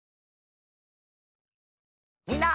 みんな。